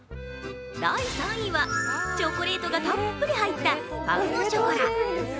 第３位はチョコレートがたっぷり入ったパン・オ・ショコラ。